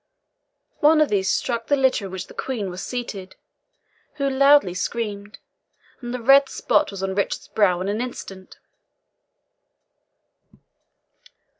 One of these struck the litter in which the Queen was seated, who loudly screamed, and the red spot was on Richard's brow in an instant.